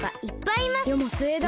よもすえだ。